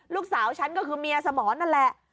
ฉันก็คือเมียสมรนั่นแหละ